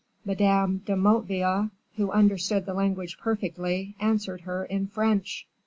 Madame de Motteville, who understood the language perfectly, answered her in French.